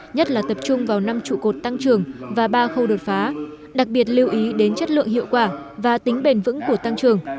nhất là tập trung vào năm trụ cột tăng trường và ba khâu đột phá đặc biệt lưu ý đến chất lượng hiệu quả và tính bền vững của tăng trưởng